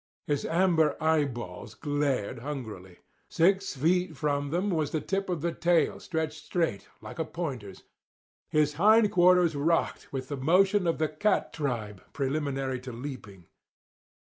His amber eyeballs glared hungrily; six feet from them was the tip of the tail stretched straight, like a pointer's. His hind quarters rocked with the motion of the cat tribe preliminary to leaping.